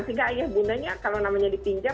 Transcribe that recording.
sehingga ayah bundanya kalau namanya dipinjam